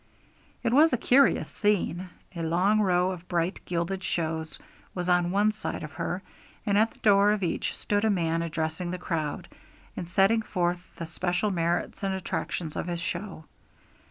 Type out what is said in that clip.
It was a curious scene. A long row of bright gilded shows was on one side of her, and at the door of each stood a man addressing the crowd, and setting forth the special merits and attractions of his show.